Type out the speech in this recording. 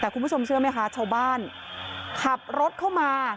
แต่คุณผู้ชมเชื่อไหมคะชาวบ้านขับรถเข้ามา